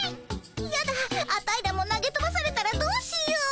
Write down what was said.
やだアタイらも投げとばされたらどうしよう。